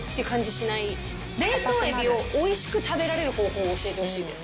冷凍エビをおいしく食べられる方法を教えてほしいです。